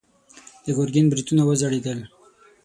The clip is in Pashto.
د ګرګين برېتونه وځړېدل.